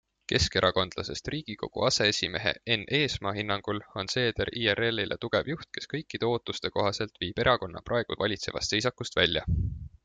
Keskerakondlasest Riigikogu aseesimehe Enn Eesmaa hinnangul on Seeder IRLile tugev juht, kes kõikide ootuste kohaselt viib erakonna praegu valitsevast seisakust välja.